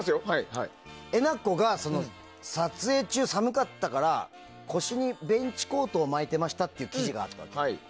えなこが撮影中寒かったから腰にベンチコートを巻いていたって記事があったわけ。